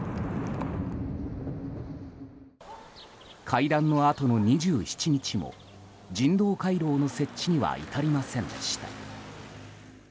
会談のあとの２７日も人道回廊の設置には至りませんでした。